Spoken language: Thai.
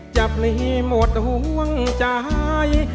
พลีหมดห่วงใจ